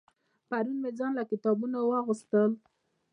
پرون مې ځان له کتابونه واغستل